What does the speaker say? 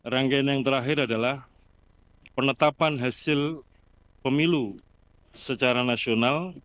rangkaian yang terakhir adalah penetapan hasil pemilu secara nasional